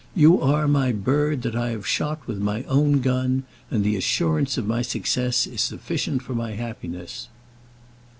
You are my bird that I have shot with my own gun; and the assurance of my success is sufficient for my happiness."